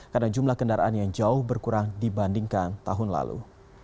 karena jumlah kendaraan yang jauh berkurang dibandingkan tahun lalu